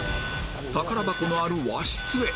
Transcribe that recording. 宝箱のある和室へ